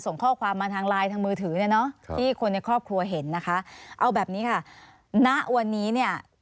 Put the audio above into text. ณวันนี้เนี่ย